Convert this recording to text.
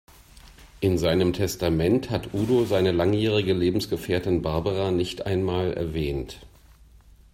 In seinem Testament hat Udo seine langjährige Lebensgefährtin Barbara nicht einmal erwähnt.